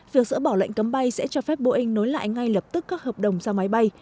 việc dỡ bỏ lệnh cấm bay sẽ cho phép boeing nối lại ngay lập tức các hợp đồng ra máy bay